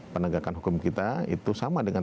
penegakan hukum kita itu sama dengan